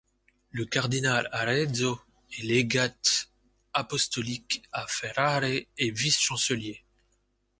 Le cardinal Arezzo est légat apostolique à Ferrare et vice-chancelier.